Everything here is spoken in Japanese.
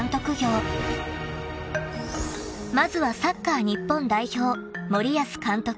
［まずはサッカー日本代表森保監督